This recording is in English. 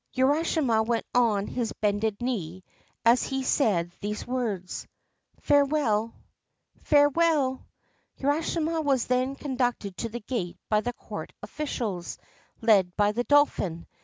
Urashima went on his bended knee as he said these words. ' Farewell I '' Farewell 1 ' Urashima was then conducted to the gate by the court officials, led by the dolphin.